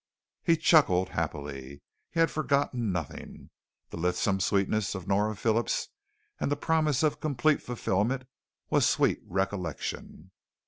He chuckled happily. He had forgotten nothing. The lissome sweetness of Nora Phillips and the promise of complete fulfillment was sweet recollection.